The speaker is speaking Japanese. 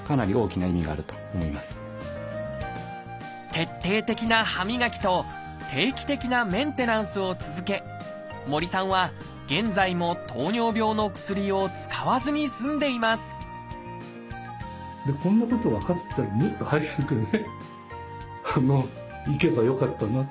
徹底的な歯磨きと定期的なメンテナンスを続け森さんは現在も糖尿病の薬を使わずに済んでいますというふうに本当感謝感謝ですね。